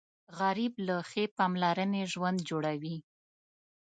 غریب له ښې پاملرنې ژوند جوړوي